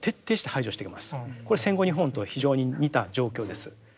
これ戦後日本と非常に似た状況です。